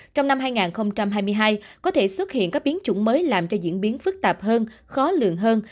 trong năm hai nghìn hai mươi hai có thể xuất hiện các biến chủng mới làm cho diễn biến phức tạp hơn khó lượng hơn